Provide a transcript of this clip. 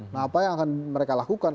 nah apa yang akan mereka lakukan